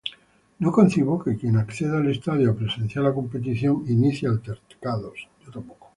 No concibo que quien acceda al estadio a presenciar la competición, inicie altercados